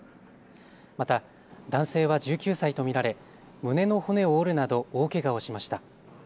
また男性は１９歳と見られ胸の骨を折るなど大けがをしました。